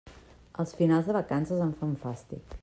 Els finals de vacances em fan fàstic.